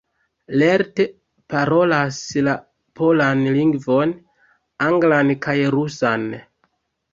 Lerte parolas la polan lingvon, anglan kaj rusan.